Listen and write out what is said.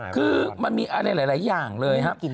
คือมันมีอะไรหลายอย่างเลยครับ